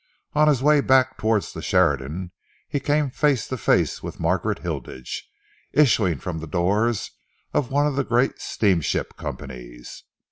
On his way back towards the Sheridan, he came face to face with Margaret Hilditch, issuing from the doors of one of the great steamship companies.